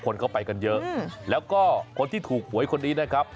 คนก็ไปกันเยอะแล้วก็คนที่ถูกหวยคนนี้นะครับ